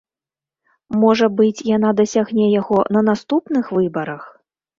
Можа быць, яна дасягне яго на наступных выбарах?